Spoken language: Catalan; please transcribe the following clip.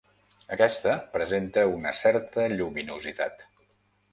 Aquesta presenta una certa lluminositat.